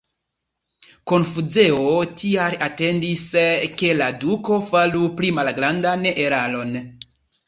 Konfuceo tial atendis ke la duko faru pli malgrandan eraron.